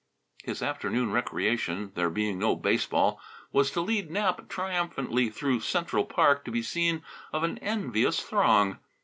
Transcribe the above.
His afternoon recreation, there being no baseball, was to lead Nap triumphantly through Central Park to be seen of an envious throng.